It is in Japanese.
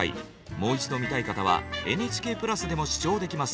もう一度見たい方はＮＨＫプラスでも視聴できます。